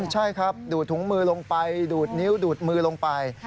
ใช่ครับดูดถุงมือลงไปดูดนิ้วดูดมือลงไป